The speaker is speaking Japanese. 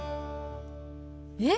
えっ！